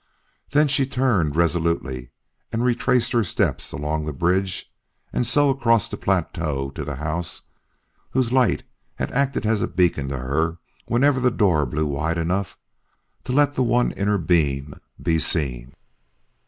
Then she turned resolutely and retraced her steps along the bridge and so across the plateau to the house whose light had acted as a beacon to her whenever the door blew wide enough to let the one inner beam be seen.